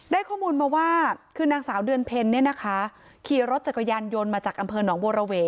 ข้อมูลมาว่าคือนางสาวเดือนเพลเนี่ยนะคะขี่รถจักรยานยนต์มาจากอำเภอหนองบัวระเว